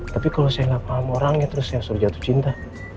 tapi kalau saya nggak paham orangnya terus saya selalu jatuh cinta